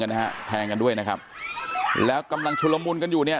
นะฮะแทงกันด้วยนะครับแล้วกำลังชุลมุนกันอยู่เนี่ย